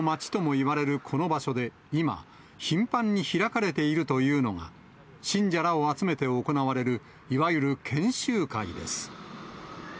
統一教会の町ともいわれるこの場所で今、頻繁に開かれているというのが、信者らを集めて行われるいわゆる研修会です。